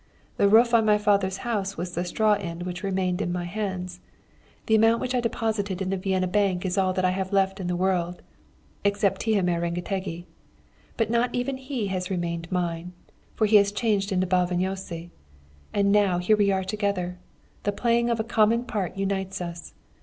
The roof of my father's house was the straw end which remained in my hands. The amount which I deposited in the Vienna bank is all I have left in the world except Tihamér Rengetegi. But not even he has remained mine, for he has changed into Bálványossi. And now here we are together. The playing of a common part unites us.